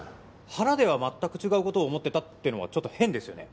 「腹では全く違う事を思ってた」っていうのはちょっと変ですよね。